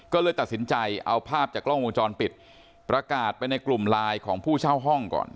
ก็เลยตัดสินใจเอาภาพจากกล้องวงจรปิดประกาศไปในกลุ่มไลน์ของผู้เช่าห้องก่อน